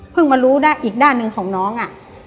เพิ่งมารู้อีกด้านนึงของน้อง